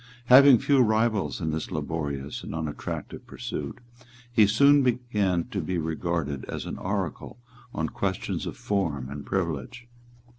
Having few rivals in this laborious and unattractive pursuit, he soon began to be regarded as an oracle on questions of form and privilege.